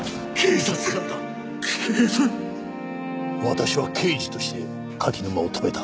私は刑事として柿沼を止めた。